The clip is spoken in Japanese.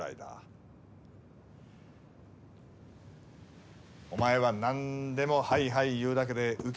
お前は何でもはいはい言うだけで受け身だったからな。